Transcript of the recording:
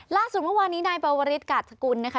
ล่าสุดเมื่อวานนี้นายปวริสกาธกุลนะคะ